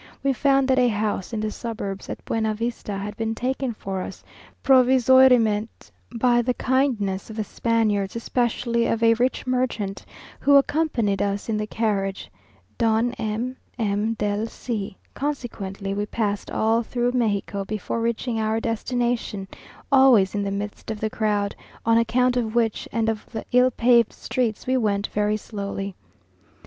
We found that a house, in the suburbs at Buenavista, had been taken for us provisoirement by the kindness of the Spaniards, especially of a rich merchant who accompanied us in the carriage, Don M l M z del C o; consequently we passed all through Mexico before reaching our destination, always in the midst of the crowd, on account of which and of the ill paved streets we went very slowly.